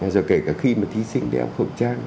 rồi kể cả khi mà thí sinh đeo khẩu trang